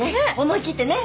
思い切ってね。